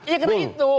ya karena itu